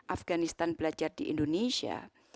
afganistan belajar di indonesia